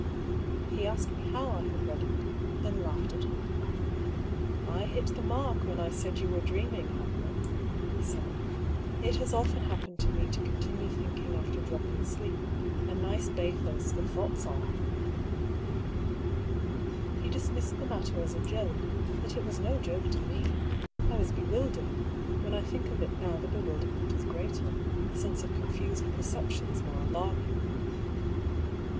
He asked me how I had read it; then laughed at me. " I hit the mark when I said you were dreaming, Hamlet," he said. " It has often happened to me to continue thinking after dropping asleep, and nice bathos the thoughts are !" EXTRACT FROM DIARY OP HUGH PAULL. 51 He dismissed the matter as a joke; but it was no joke to me. I was bewildered. When I think of it now the bewilderment is greater, the sense of confused perceptions more alarming.